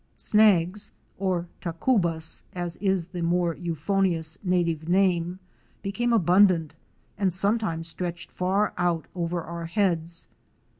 Snags, or tacubas as is the more euphonious native name, became abundant and sometimes stretched far out over our heads.